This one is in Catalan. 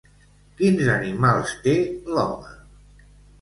Quins animals té l'home?